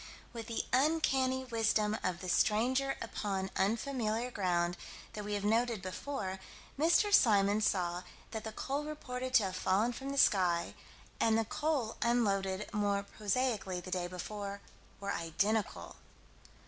With the uncanny wisdom of the stranger upon unfamiliar ground that we have noted before, Mr. Symons saw that the coal reported to have fallen from the sky, and the coal unloaded more prosaically the day before, were identical.